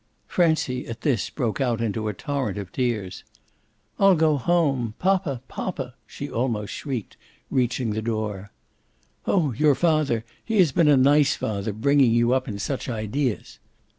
Francie, at this, broke out into a torrent of tears. "I'll go home. Poppa, poppa!" she almost shrieked, reaching the door. "Oh your father he has been a nice father, bringing you up in such ideas!"